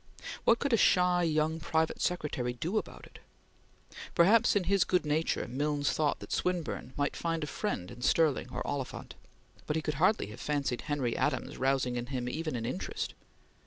What could a shy young private secretary do about it? Perhaps, in his good nature, Milnes thought that Swinburne might find a friend in Stirling or Oliphant, but he could hardly have fancied Henry Adams rousing in him even an interest.